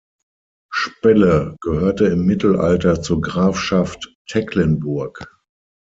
Spelle gehörte im Mittelalter zur Grafschaft Tecklenburg.